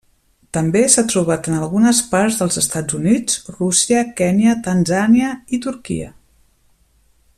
També s'ha trobat en algunes parts dels Estats Units, Rússia, Kenya, Tanzània i Turquia.